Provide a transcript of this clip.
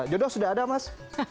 jodoh sudah ada mas